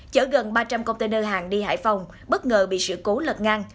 chở gần ba trăm linh container hàng đi hải phòng bất ngờ bị sự cố lật ngang